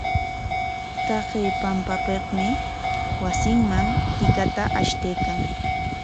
Taqay pampapikmi wasinman tikata ashtaykan.